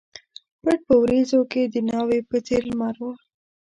پټ په وریځو کښي د ناوي په څېر لمر و